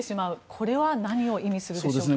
これは何を意味するでしょうか？